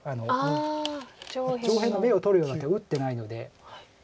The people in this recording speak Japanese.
上辺の眼を取るような手を打ってないので。